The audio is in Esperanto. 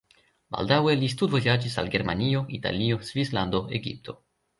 Baldaŭe li studvojaĝis al Germanio, Italio, Svislando, Egipto.